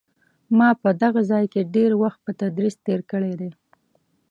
ما په دغه ځای کې ډېر وخت په تدریس تېر کړی دی.